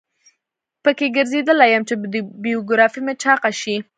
په کې ګرځیدلی یم چې بیوګرافي مې چاقه شي.